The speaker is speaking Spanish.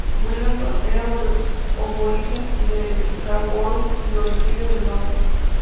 Williamson era aborigen de Scarborough, Yorkshire del Norte.